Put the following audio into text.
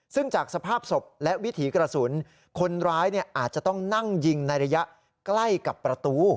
ซึ่งจากสภาพศพและวิถีกระสุนคนร้ายอาจจะต้องนั่งยิงในระยะใกล้กับประตู